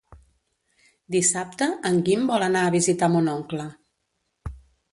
Dissabte en Guim vol anar a visitar mon oncle.